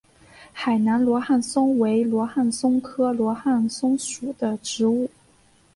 海南罗汉松为罗汉松科罗汉松属的植物。